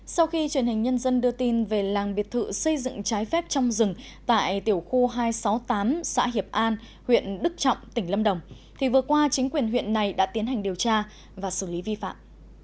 sau khi truyền hình nhân dân đưa tin về làng biệt thự xây dựng trái phép trong rừng tại tiểu khu hai trăm sáu mươi tám xã hiệp an huyện đức trọng tỉnh lâm đồng thì vừa qua chính quyền huyện này đã tiến hành điều tra và xử lý vi phạm